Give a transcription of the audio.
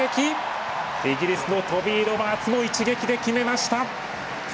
イギリスのトビー・ロバーツも一撃で決めました！